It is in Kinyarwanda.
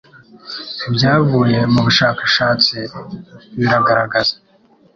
Ibyavuye mu bushakashatsi biragaragaza